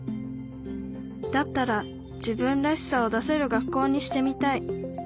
「だったら自分らしさを出せる学校にしてみたい」